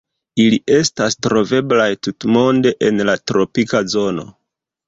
Ili estas troveblaj tutmonde en la tropika zono.